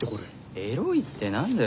エロいって何だよ。